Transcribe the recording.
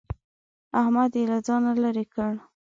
احمد يې له ځانه لرې کړ.